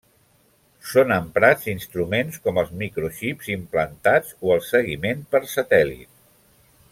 Són emprats instruments com els microxips implantats o el seguiment per satèl·lit.